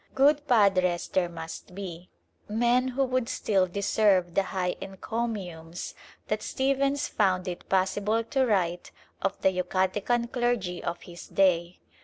Good padres there must be, men who would still deserve the high encomiums that Stephens found it possible to write of the Yucatecan clergy of his day.